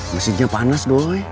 mesinnya panas doi